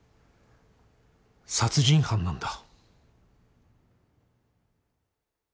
殺人犯なんだ。